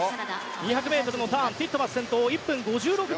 ２００ｍのターンティットマス、先頭。